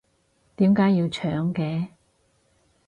點解要搶嘅？